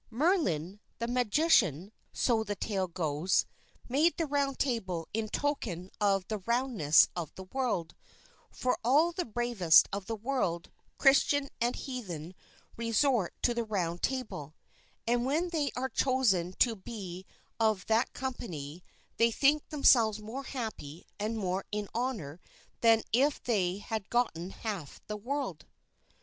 "Merlin, the magician," so the tale goes, "made the Round Table in token of the roundness of the world; for all the bravest of the world, Christian and heathen, resort to the Round Table; and when they are chosen to be of that company, they think themselves more happy and more in honor, than if they had gotten half the world."